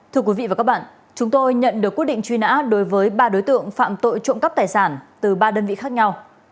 thưa quý vị và các bạn chúng tôi nhận được quyết định truy nã đối với ba đối tượng phạm tội trộm cắp tài sản từ ba đơn vị khác nhau